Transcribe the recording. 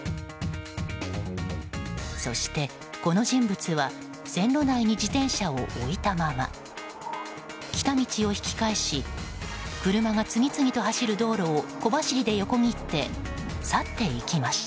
そしてこの人物は線路内に自転車を置いたまま来た道を引き返し車が次々と走る道路を小走りで横切って去っていきました。